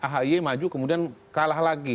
tentunya ingin ahi maju kemudian kalah lagi